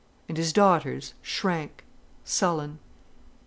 And his daughters shrank, sullen.